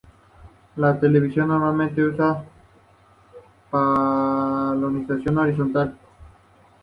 La televisión normalmente usa la polarización horizontal.